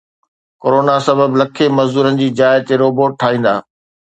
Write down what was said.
corona سبب لکين مزدورن جي جاءِ تي روبوٽ ٺاهيندا